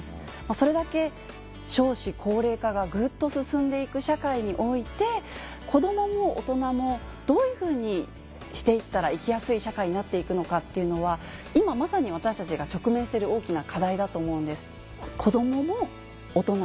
それだけ少子高齢化がぐっと進んでいく社会において子どもも大人もどういうふうにしていったら生きやすい社会になっていくのかっていうのは今まさに私たちが直面してる大きな課題だと思うんです。